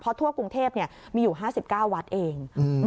ทั่วกรุงเทพมีอยู่๕๙วัดเอง